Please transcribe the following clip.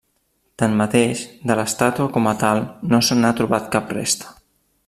Tanmateix, de l'estàtua com a tal no se n'ha trobat cap resta.